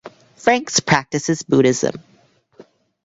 Franks practices Buddhism.